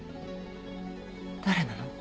誰なの？